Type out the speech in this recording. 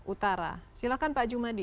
utara silahkan pak jumadi